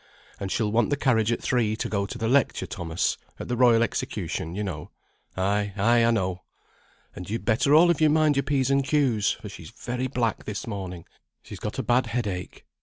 And she'll want the carriage at three to go to the lecture, Thomas; at the Royal Execution, you know." "Ay, ay, I know." "And you'd better all of you mind your P's and Q's, for she's very black this morning. She's got a bad headache."